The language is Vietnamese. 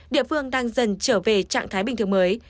địa phương đang dần trở về trạng thái bình thường mới